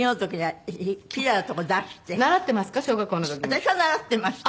私は習ってましたよ。